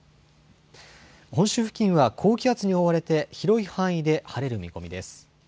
本州付近は高気圧に覆われて広い範囲で晴れる見込みです。